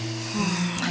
sampai jumpa lagi